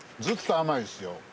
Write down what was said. ずっと甘いですよ。